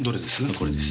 これです。